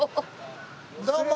どうも！